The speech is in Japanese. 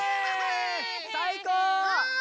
さいこう！